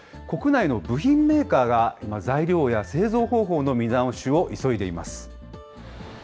国内の部品メーカーが今、材料や製造方法の見直しを急いでいます。